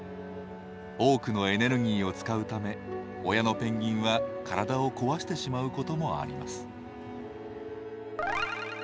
多くのエネルギーを使うため親のペンギンは体を壊してしまうこともあります。